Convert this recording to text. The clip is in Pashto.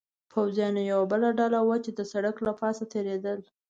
پوځیانو یوه بله ډله وه، چې د سړک له پاسه تېرېدل.